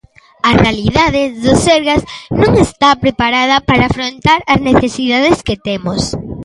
A realidade do Sergas non está preparada para afrontar as necesidades que temos.